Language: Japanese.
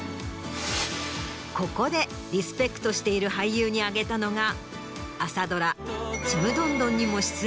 ここでリスペクトしている俳優に挙げたのが。